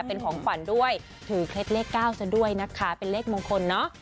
เป็นของขวัญด้วยถือเคล็ดเลข๙ซะด้วยนะคะเป็นเลขมงคลเนอะ